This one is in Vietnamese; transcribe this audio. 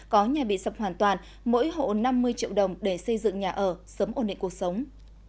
có nhà bị sập hoàn toàn mỗi hộ năm mươi triệu đồng để xây dựng nhà ở sớm ổn định cuộc sống